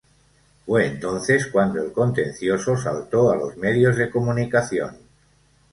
Fue entonces cuando el contencioso saltó a los medios de comunicación.